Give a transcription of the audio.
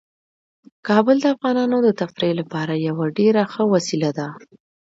کابل د افغانانو د تفریح لپاره یوه ډیره ښه وسیله ده.